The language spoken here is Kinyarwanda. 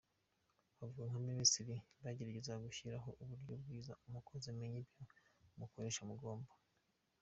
Avuga ko nka Minisiteri bagerageza gushyiraho uburyo bwiza umukozi amenya ibyo umukoreshja amugomba’.